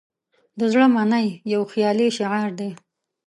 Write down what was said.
"د زړه منئ" یو خیالي شعار دی.